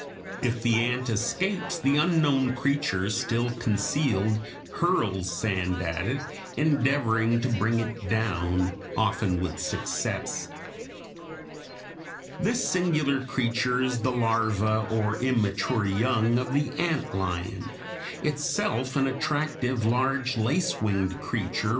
If the ant escapes, the unknown creature, still concealed, hurls sand at it, endeavoring to bring it down, often with success. This singular creature is the larva or immature young of the ant lion itself an attractive, large, lace winged creature (Fig.